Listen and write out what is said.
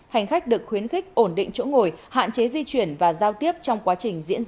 hành khách được khuyến khích ổn định chỗ ngồi hạn chế di chuyển và giao tiếp trong quá trình diễn ra chuyến bay